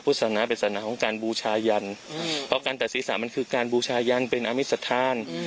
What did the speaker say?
ศาสนาเป็นศาสนาของการบูชายันเพราะการตัดศีรษะมันคือการบูชายันเป็นอมิสัทธา